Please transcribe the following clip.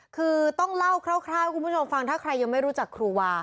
คือต้องเล่าคร่าวให้คุณผู้ชมฟังถ้าใครยังไม่รู้จักครูวา